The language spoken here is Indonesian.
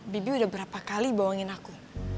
bibi udah berapa kali bawangin aku